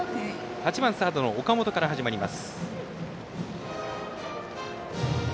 ８番サードの岡本から始まります。